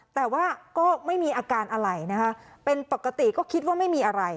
แต่ว่าก็ไม่มีอาการอะไรนะคะเป็นปกติก็คิดว่าไม่มีอะไร